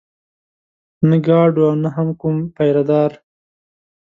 نه ګارډ و او نه هم کوم پيره دار.